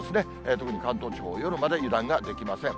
特に関東地方、夜まで油断ができません。